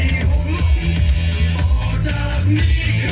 กลับไปรับไป